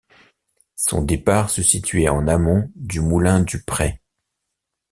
Son départ se situait en amont du moulin du Prey.